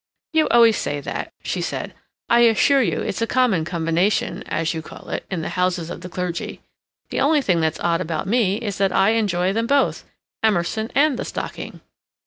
"You always say that," she said. "I assure you it's a common 'combination,' as you call it, in the houses of the clergy. The only thing that's odd about me is that I enjoy them both—Emerson and the stocking."